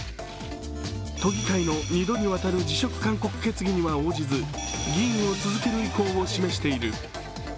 都議会の２度にわたる辞職勧告決議には応じず、議員を続ける意向を示している。